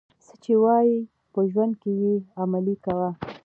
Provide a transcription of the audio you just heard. څه چي وايې په ژوند کښي ئې عملي کوه.